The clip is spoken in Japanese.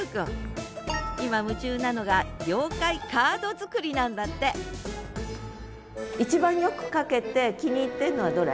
今夢中なのが妖怪カード作りなんだって一番よく描けて気に入ってるのはどれ？